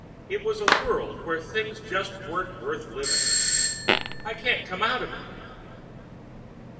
It was a world where things just weren't worth living. I can't come out of it...."